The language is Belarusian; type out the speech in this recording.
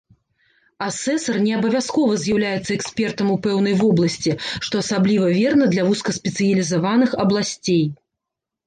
Асэсар не абавязкова з'яўляецца экспертам у пэўнай вобласці, што асабліва верна для вузкаспецыялізаваных абласцей.